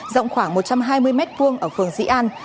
rộng khoảng một trăm hai mươi m hai ở phường dĩ an